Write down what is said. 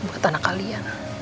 buat anak kalian